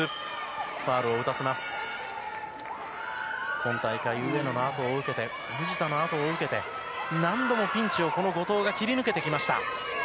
今大会、上野のあとを受けて藤田のあとを受けて何度もピンチを、この後藤が切り抜けてきました。